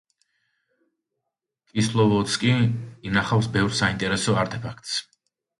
კისლოვოდსკი ინახავს ბევრ საინტერესო არტეფაქტს.